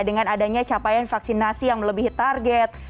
dengan adanya capaian vaksinasi yang lebih target